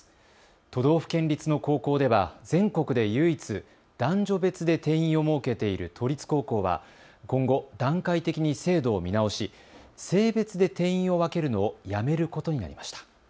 都道府県立の高校では全国で唯一、男女別で定員を設けている都立高校は今後、段階的に制度を見直し性別で定員を分けるのをやめることになりました。